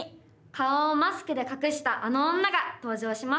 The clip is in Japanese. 顔をマスクで隠したあの女が登場します！